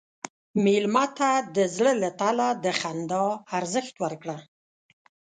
مېلمه ته د زړه له تله د خندا ارزښت ورکړه.